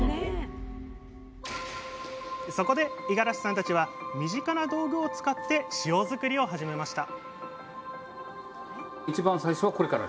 そこで五十嵐さんたちは身近な道具を使って塩づくりを始めました